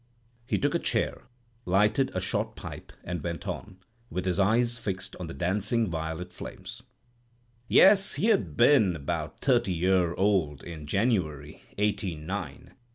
He took a chair, lighted a short pipe, and went on, with his eyes fixed on the dancing violet flames: "Yes, he'd ha' been about thirty year old in January, eighteen 'nine.